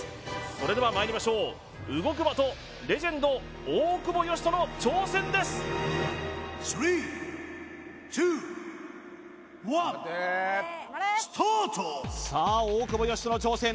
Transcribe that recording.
それではまいりましょう動く的レジェンド大久保嘉人の挑戦ですさあ大久保嘉人の挑戦